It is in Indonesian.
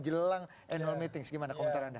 jelang annual meetings gimana komentar anda